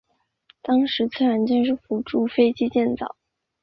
当时此软件是辅助飞机建造。